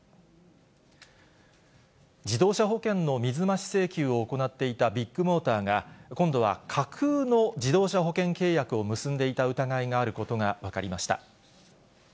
自動車保険の水増し請求を行っていたビッグモーターが、今度は架空の自動車保険契約を結んでいた疑いがあることが分かりました。